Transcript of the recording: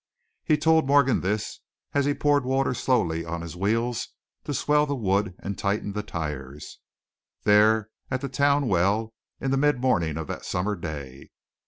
He told Morgan this as he poured water slowly on his wheels to swell the wood and tighten the tires, there at the town well in the mid morning of that summer day.